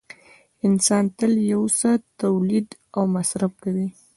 انسان تل یو څه تولید او مصرف کوي